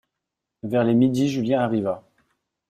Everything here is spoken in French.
Vers les midi Julien arriva.